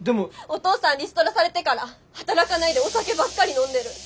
お父さんリストラされてから働かないでお酒ばっかり飲んでる。